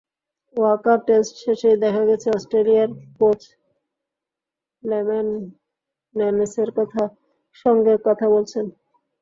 Waka test শেষেই দেখা গেছে, অস্ট্রেলিয়ার কোচ লেম্যান ন্যানেসের সঙ্গে কথা বলছেন।